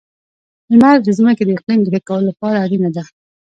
• لمر د ځمکې د اقلیم د ښه کولو لپاره اړینه ده.